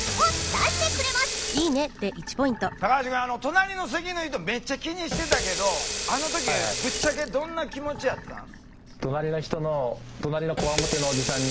タカハシくん隣の席の人めっちゃ気にしてたけどあの時ぶっちゃけどんな気持ちやったん？